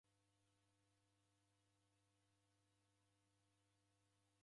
Gheko maduka ghaenga mzinyi.